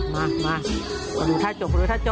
มามาคุณดูท่าจบคุณดูท่าจบ